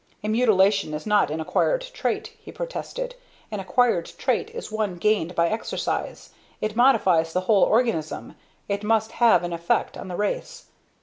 "A mutilation is not an acquired trait," he protested. "An acquired trait is one gained by exercise; it modifies the whole organism. It must have an effect on the race.